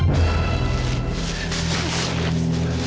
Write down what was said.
yang sepupu banget